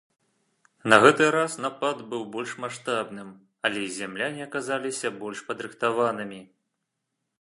На гэты раз напад быў больш маштабным, але і зямляне аказаліся больш падрыхтаванымі.